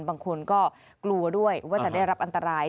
บางคนก็กลัวด้วยว่าจะได้รับอันตราย